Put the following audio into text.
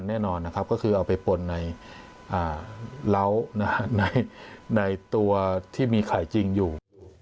เป็นของที่ใครเอามาวางไว้ไม่รู้